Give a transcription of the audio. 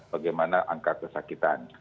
bagaimana angka kesakitan